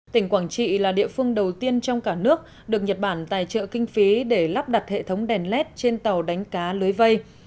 tỉnh quảng trị là địa phương đầu tiên trong cả nước được nhật bản tài trợ kinh phí để lắp đặt hệ thống đèn led trên tàu đánh cá lưới vây